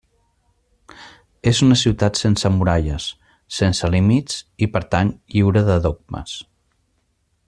És una ciutat sense muralles, sense límits i per tant lliure de dogmes.